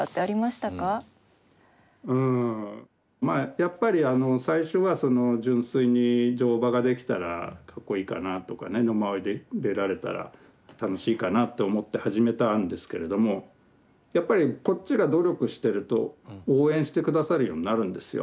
やっぱり最初はその純粋に乗馬ができたらかっこいいかなあとかね野馬追出られたら楽しいかなって思って始めたんですけれどもやっぱりこっちが努力してると応援して下さるようになるんですよ。